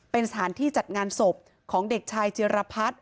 เป็นสถานที่จัดงานศพของเด็กชายจิรพัฒน์